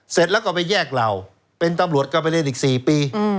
เสร็จแล้วก็ไปแยกเหล่าเป็นตำรวจก็ไปเรียนอีก๔ปี